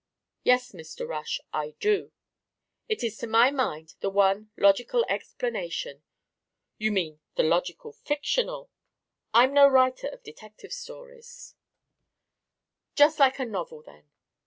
"Yes, Mr. Rush, I do. It is to my mind the one logical explanation " "You mean the logical fictional " "I'm no writer of detective stories " "Just like a novel then?"